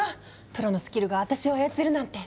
プロのスキルが私を操るなんて。